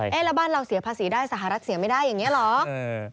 แล้วบ้านเราเสียภาษีได้สหรัฐเสียไม่ได้อย่างนี้เหรอ